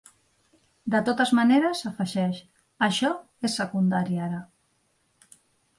De totes maneres, afegeix: Això és secundari ara.